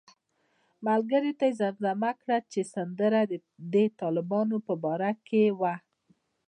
ملګرو ته یې زمزمه کړه چې سندره د طالبانو په باره کې وه.